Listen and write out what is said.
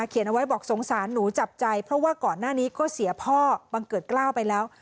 เอาไว้บอกสงสารหนูจับใจเพราะว่าก่อนหน้านี้ก็เสียพ่อบังเกิดกล้าวไปแล้ว